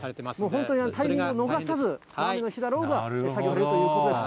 本当にタイミングを逃さず、雨の日だろうが、作業されているということです。